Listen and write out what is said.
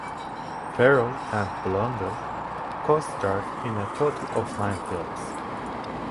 Farrell and Blondell co-starred in a total of nine films.